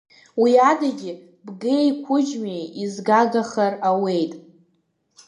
Уи адагьы, бгеи қәыџьмеи изгагахар ауеит.